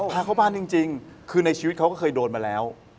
พาเข้าบ้านจริงคือในชีวิตเขาก็เคยโดนมาแล้ว